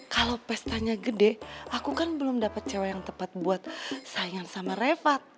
kalau pestanya gede aku kan belum dapat cewek yang tepat buat saingan sama refat